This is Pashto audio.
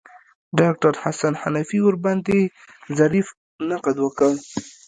ډاکتر حسن حنفي ورباندې ظریف نقد وکړ.